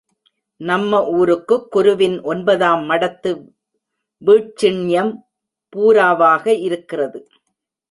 நம்ம ஊருக்குக் குருவின் ஒன்பதாம் மடத்து வீட்சிண்யம் பூராவாக இருக்கிறது.